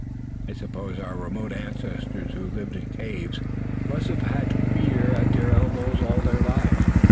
I suppose our remote ancestors who lived in caves must have had fear at their elbows all their lives."